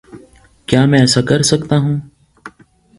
کیا میں ایسا کر سکتا ہوں؟